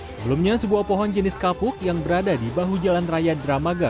sebelumnya sebuah pohon jenis kapuk yang berada di bahu jalan raya dramaga